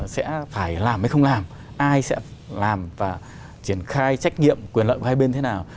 sẽ phải làm hay không làm ai sẽ làm và triển khai trách nhiệm quyền lợi của hai bên thế nào